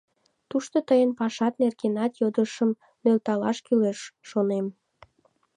Тушто тыйын пашат нергенат йодышым нӧлталаш кӱлеш, шонем.